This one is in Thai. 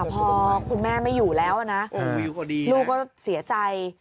พอคุณแม่ไม่อยู่แล้วนะลูกก็เสียใจ